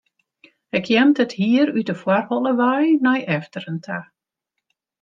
Hy kjimt it hier út de foarholle wei nei efteren ta.